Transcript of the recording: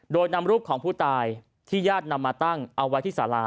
โดยนำรูปของผู้ตายที่ญาตินำมาตั้งเอาไว้ที่สารา